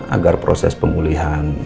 agar proses pemulihan